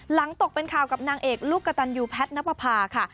ตกเป็นข่าวกับนางเอกลูกกระตันยูแพทย์นับประพาค่ะ